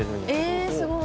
えすごい！